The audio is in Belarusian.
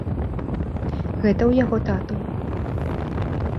Гэта ў яго ў тату.